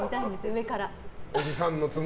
上から。